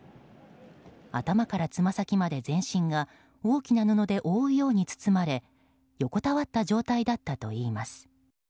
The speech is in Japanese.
頭からつま先まで全身が大きな布で覆うように包まれ横たわった状態だったといいます。